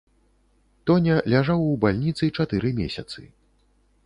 Тоня ляжаў у бальніцы чатыры месяцы.